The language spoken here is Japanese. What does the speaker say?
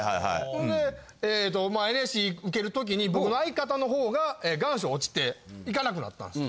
ほんでＮＳＣ受ける時に僕の相方のほうが願書落ちて行かなくなったんです。